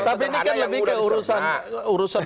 tapi ini kan lebih ke urusan